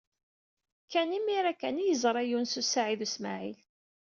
Ken imir-a kan ay yeẓra Yunes u Saɛid u Smaɛil.